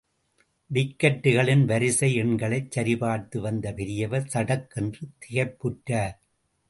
டிக்கட்டுகளின் வரிசை எண்களைச் சரிபார்த்து வந்த பெரியவர் சடக்கென்று திகைப்புற்றார்.